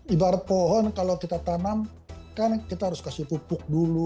ibarat pohon kalau kita tanam kan kita harus kasih pupuk dulu